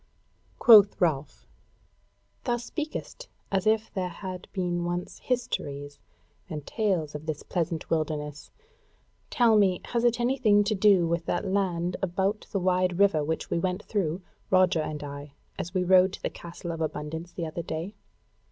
Quoth Ralph: "Thou speakest as if there had been once histories and tales of this pleasant wilderness: tell me, has it anything to do with that land about the wide river which we went through, Roger and I, as we rode to the Castle of Abundance the other day?